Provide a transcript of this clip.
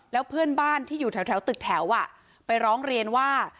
แล้วเพื่อนบ้านที่อยู่แถวตึกแถวไปร้องเรียนว่า